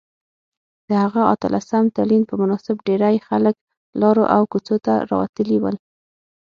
د هغه اتلسم تلین په مناسبت ډیرۍ خلک لارو او کوڅو ته راوتلي ول